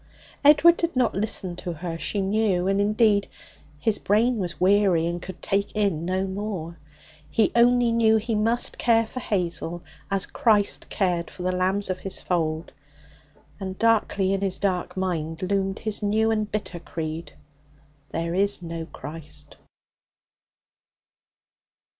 Edward did not listen to her, she knew. And, indeed, his brain was weary, and could take in no more. He only knew he must care for Hazel as Christ cared for the lambs of His fold. And darkly on his dark mind loomed his new and bitter creed, 'There is no Christ.'